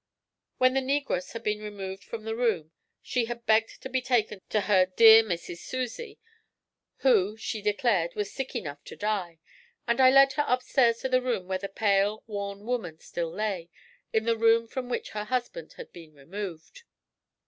When the negress had been removed from the room, she had begged to be taken to her 'dear Missis Susie,' who, she declared, was 'sick enough to die'; and I led her upstairs to the room where the pale, worn woman still lay, in the room from which her husband had been removed.